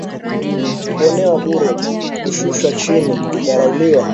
Kuonewa bure, kushushwa chini, kudharauliwa.